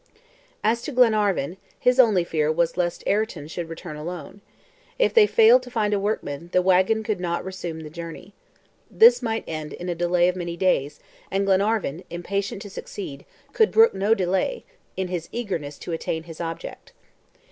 As to Glenarvan, his only fear was lest Ayrton should return alone. If they fail to find a workman, the wagon could not resume the journey. This might end in a delay of many days, and Glenarvan, impatient to succeed, could brook no delay, in his eagerness to attain his object.